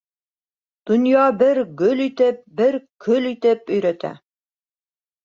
Донъя бер гөл итеп, бер көл итеп өйрәтә.